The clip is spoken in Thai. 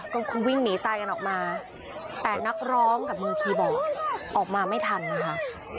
ก็คือวิ่งหนีตายกันออกมาแต่นักร้องกับมือคีย์บอร์ดออกมาไม่ทันนะคะ